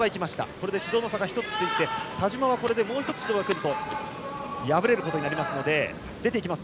これで指導の差が１つついて田嶋はこれでもう１つ指導が来ると敗れることになりますので出て行きます。